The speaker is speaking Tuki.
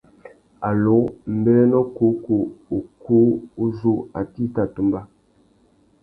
Allô ; mbérénô kǔkú ukú uzu, atê i tà tumba ?